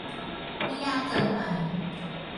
ไม่ยากเกินไป